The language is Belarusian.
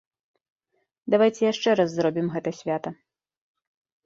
Давайце яшчэ раз зробім гэта свята.